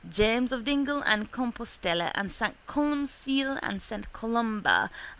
James of Dingle and Compostella and S. Columcille and S. Columba and S.